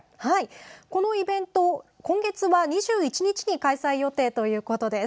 このイベント今月は２１日開催予定だということです。